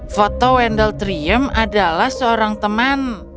foto wendeltrium adalah seorang teman